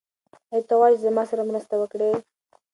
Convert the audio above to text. ایا ته غواړې چې زما سره مرسته وکړې؟